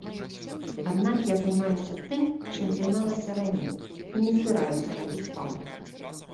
Аднак я займаюся тым, чым займалася раней, і не збіраюся рабіць паўзу.